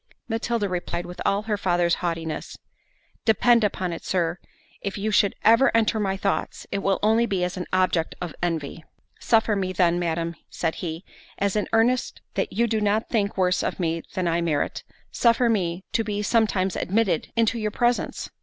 Matilda replied with all her father's haughtiness, "Depend upon it, Sir, if you should ever enter my thoughts, it will only be as an object of envy." "Suffer me then, Madam," said he, "as an earnest that you do not think worse of me than I merit, suffer me to be sometimes admitted into your presence—."